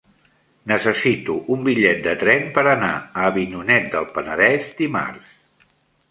Necessito un bitllet de tren per anar a Avinyonet del Penedès dimarts.